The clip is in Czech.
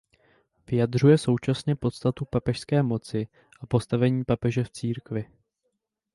Vyjadřuje současně podstatu papežské moci a postavení papeže v církvi.